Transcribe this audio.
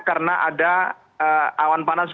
karena ada awan panas